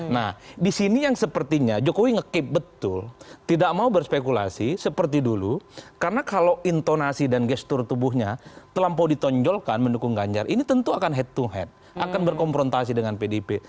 nah di sini yang sepertinya jokowi ngekip betul tidak mau berspekulasi seperti dulu karena kalau intonasi dan gestur tubuhnya terlampau ditonjolkan mendukung ganjar ini tentu akan head to head akan berkomprontasi dengan pdip